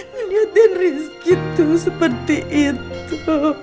ngeliat den rizky tuh seperti itu